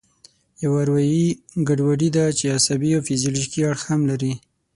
یوه اروایي ګډوډي ده چې عصبي او فزیولوژیکي اړخ هم لري.